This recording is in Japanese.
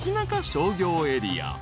商業エリア］